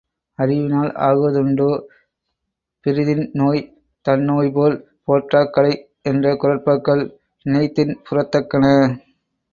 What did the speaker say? அறிவினால் ஆகுவதுண்டோ பிரிதின் நோய் தன்னோய்போல் போற்றாக் கடை என்ற குறட்பாக்கள் நினைந்தின்புறத்தக்கன.